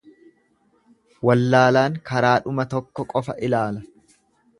Wallaalaan karaadhuma tokko qofaa ilaala.